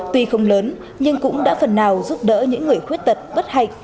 tuy không lớn nhưng cũng đã phần nào giúp đỡ những người khuyết tật bất hạnh